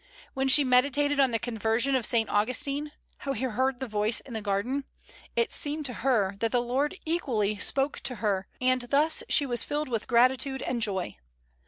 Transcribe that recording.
When she meditated on the conversion of Saint Augustine, how he heard the voice in the garden, it seemed to her that the Lord equally spoke to her, and thus she was filled with gratitude and joy.